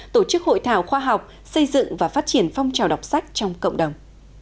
tổ chức hội thảo khoa học xây dựng và phát triển phong trào đọc sách trong cộng đồng